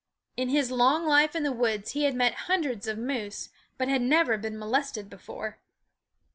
In his long life in the woods he had met hundreds of moose, but had never been molested before.